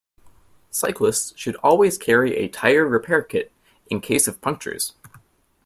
Cyclists should always carry a tyre-repair kit, in case of punctures